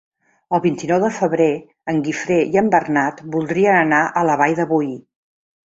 El vint-i-nou de febrer en Guifré i en Bernat voldrien anar a la Vall de Boí.